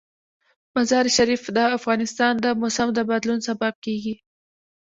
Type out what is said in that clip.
مزارشریف د افغانستان د موسم د بدلون سبب کېږي.